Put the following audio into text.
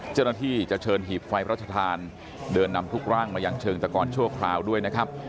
เจ้าหน้าที่จะเชิญหีบไฟพระชธานเดินนำทุกร่างมายังเชิงตะกอนชั่วคราวด้วยนะครับ